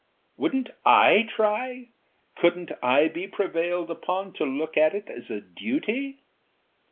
Wouldnât I tryâcouldnât I be prevailed upon to look at it as a duty?